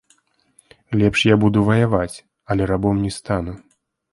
Лепш я буду ваяваць, але рабом не стану.